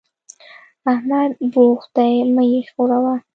احمد بوخت دی؛ مه يې ښوروه.